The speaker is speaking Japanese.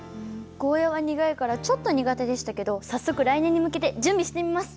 ゴーヤは苦いからちょっと苦手でしたけど早速来年に向けて準備してみます！